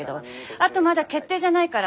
あとまだ決定じゃないから。